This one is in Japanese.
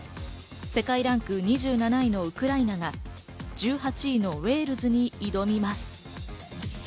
世界ランク２７位のウクライナが１８位のウェールズに挑みます。